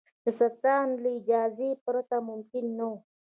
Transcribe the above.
د سلطان له اجازې پرته ممکن نه وو.